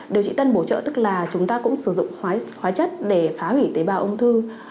điều trị tân bổ trợ tức là chúng ta cũng sử dụng hóa chất để phá hủy tế bào ung thư